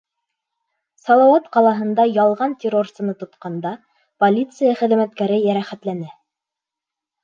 Салауат ҡалаһында ялған террорсыны тотҡанда, полиция хеҙмәткәре йәрәхәтләнә.